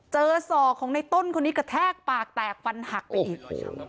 ศอกของในต้นคนนี้กระแทกปากแตกฟันหักไปอีก